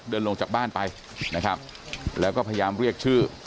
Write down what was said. เดินลงจากบ้านไปนะครับแล้วก็พยายามเรียกชื่อ